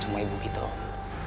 sama ibu kita om